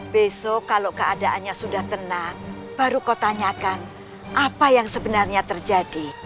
besok kalau keadaannya sudah tenang baru kau tanyakan apa yang sebenarnya terjadi